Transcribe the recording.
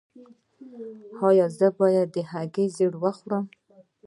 ایا زه باید د هګۍ ژیړ وخورم؟